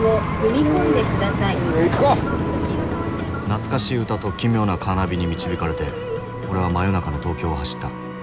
懐かしい歌と奇妙なカーナビに導かれて俺は真夜中の東京を走った。